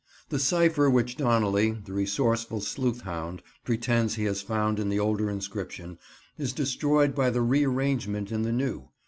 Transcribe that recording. The cipher which Donnelly, the resourceful sleuthhound, pretends he has found in the older inscription, is destroyed by the re arrangement in the new.